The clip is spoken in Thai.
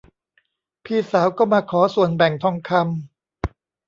พี่สาวก็มาขอส่วนแบ่งทองคำ